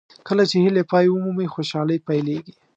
کله چې هیلې پای ومومي خوشالۍ پیلېږي.